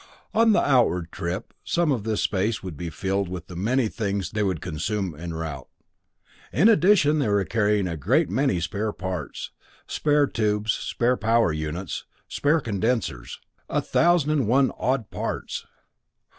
On the outward trip some of this space would be filled with the many things they would consume en route. In addition they were carrying a great many spare parts, spare tubes, spare power units, spare condensers a thousand and one odd parts.